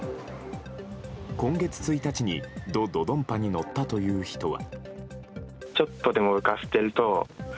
今月１日にド・ドドンパに乗ったという人は。